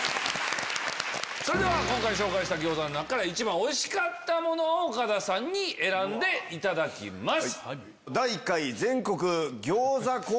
それでは今回紹介した餃子の中から一番おいしかったものを岡田さんに選んでいただきます。